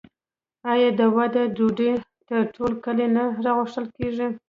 آیا د واده ډوډۍ ته ټول کلی نه راغوښتل کیږي؟